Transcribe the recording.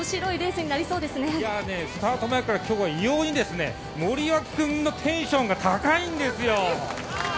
スタート前から今日は異様に森脇君のテンションが高いんですよ。